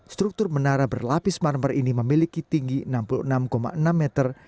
struktur menara berlapis marmer ini memiliki tinggi enam puluh enam enam meter